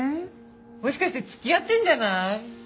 もしかして付き合ってるんじゃない？